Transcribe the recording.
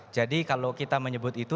jadi kalau kita menyebut itu